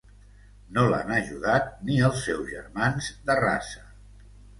No l'han ajudat ni els seus germans de raça.